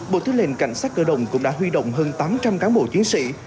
bộ thứ lệnh cảnh sát cơ đồng cũng đã huy động hơn tám trăm linh cán bộ chiến sĩ